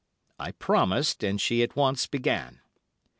I promised, and she at once began.